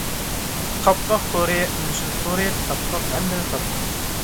تاپقاق تورى، ئۈن-سىن تورى، تاپقاق ھەممىنى تاپىدۇ!